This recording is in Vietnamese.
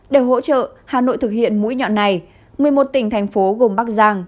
để hỗ trợ hà nội thực hiện mũi nhọn này một mươi một tỉnh thành phố gồm bắc giang